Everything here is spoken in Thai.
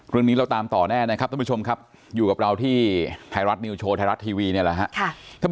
เราตามต่อแน่นะครับท่านผู้ชมครับอยู่กับเราที่ไทยรัฐนิวโชว์ไทยรัฐทีวีนี่แหละครับ